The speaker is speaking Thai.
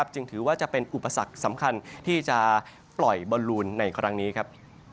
จึงถือว่าจะเป็นอุปสรรคสำคัญที่จะปล่อยบอลลูนในครั้งนี้ครับ